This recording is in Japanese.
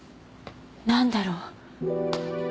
なんだろう？